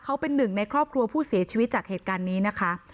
เขาเป็นหนึ่งในครอบครัวผู้เสียชีวิตจากเหตุการณ์นี้นะคะ